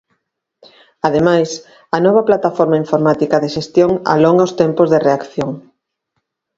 Ademais, a nova plataforma informática de xestión alonga os tempos de reacción.